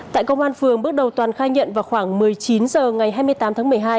tại công an phường bước đầu toàn khai nhận vào khoảng một mươi chín h ngày hai mươi tám tháng một mươi hai